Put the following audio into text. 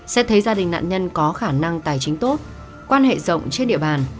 xét thấy gia đình nạn nhân có khả năng tài chính tốt quan hệ rộng trên địa bàn